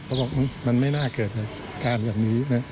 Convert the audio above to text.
เขาบอกมันไม่น่าเกิดเหตุการณ์แบบนี้นะ